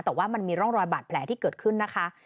แต่ว่ามันมีร่องรอยบาดแผลที่เกิดขึ้นนะคะ